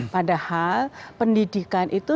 padahal pendidikan itu